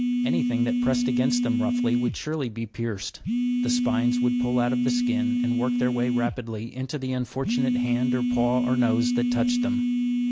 Anything that pressed against them roughly would surely be pierced; the spines would pull out of the skin, and work their way rapidly into the unfortunate hand or paw or nose that touched them.